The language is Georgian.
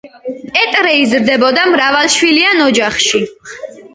პეტრე იზრდებოდა მრავალშვილიან ოჯახში.